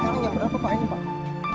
saya udah nyangka berapa pak ini pak